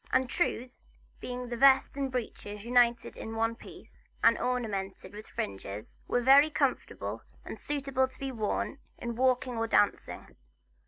And trews being the vest and breeches united in one piece, and ornamented with fringes, were very comfortable, and suitable to be worn in walking or dancing.